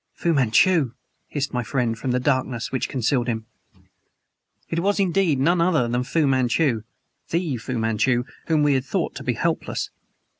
"Fu Manchu!" hissed my friend, from the darkness which concealed him. It was indeed none other than Fu Manchu the Fu Manchu whom we had thought to be helpless.